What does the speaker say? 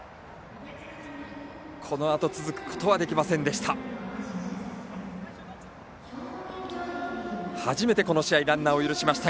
このあと続くことはできませんでした。